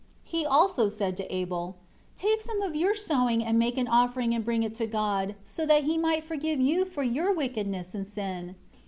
2 He said also to Abel, "Take some of your sowing and make an offering and bring it to God, so that He might forgive you for your wickedness and sin."